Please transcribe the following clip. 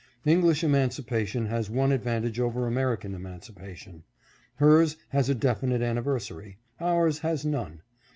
English emancipa tion has one advantage over American emancipation. Hers has a definite anniversary. Ours has none.